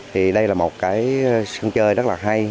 thì đây là một sân chơi rất là hay